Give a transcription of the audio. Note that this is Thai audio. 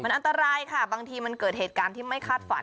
อันตรายค่ะบางทีมันเกิดเหตุการณ์ที่ไม่คาดฝัน